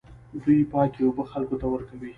دوی پاکې اوبه خلکو ته ورکوي.